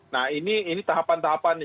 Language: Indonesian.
nah ini tahapan tahapannya